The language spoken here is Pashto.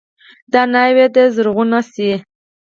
دا ناوې دې زرغونه شي.